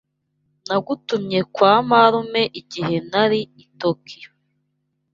Nagumye kwa marume igihe nari i Tokiyo.